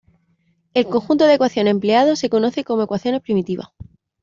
El conjunto de ecuaciones empleado se conoce como "ecuaciones primitivas".